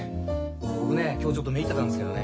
僕ね今日ちょっとめいってたんですけどね